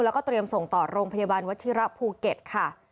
แล้วก็เตรียมส่งต่อโรงพยาบาลวัชิระภูเก็ตค่ะ